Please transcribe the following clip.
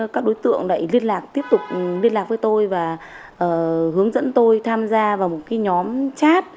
các đối tượng liên lạc với tôi và hướng dẫn tôi tham gia vào một nhóm chat